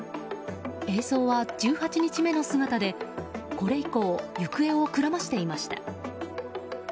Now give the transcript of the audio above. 映像は、１８日目の姿でこれ以降行方をくらましていました。